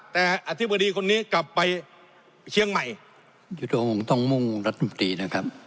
แต่อธิบดีคนนี้กลับไปเชียงใหม่ยุทธพงศ์ต้องมุ่งรัฐมนตรีนะครับ